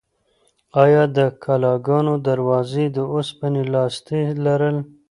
ایا د کلاګانو دروازې د اوسپنې لاستي لرل؟